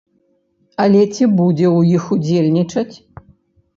Але ці будзе ў іх удзельнічаць?